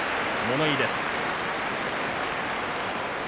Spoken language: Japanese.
物言いです。